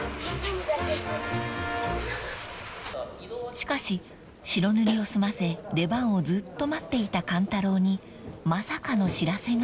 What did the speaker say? ［しかし白塗りを済ませ出番をずっと待っていた勘太郎にまさかの知らせが］